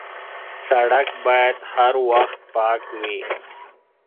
سړک باید هر وخت پاک وي.